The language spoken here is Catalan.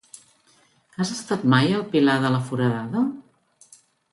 Has estat mai al Pilar de la Foradada?